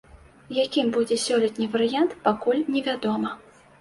Якім будзе сёлетні варыянт, пакуль невядома.